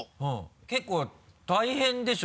結構大変でしょ？